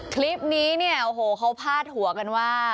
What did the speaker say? คลิปนี้เนี่ยโอ้โหเขาพาดหัวกันว่า